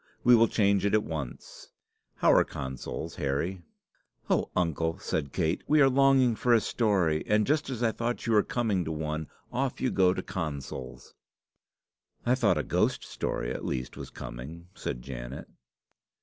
We will change it at once. How are consols, Harry?" "Oh, uncle!" said Kate, "we were longing for a story, and just as I thought you were coming to one, off you go to consols!" "I thought a ghost story at least was coming," said Janet.